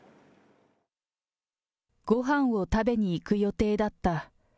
ごはんを食べに行く予定だった。